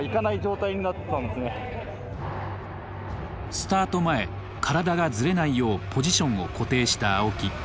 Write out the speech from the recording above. スタート前体がズレないようポジションを固定した青木。